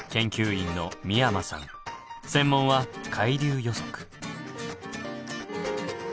専門は海流予測。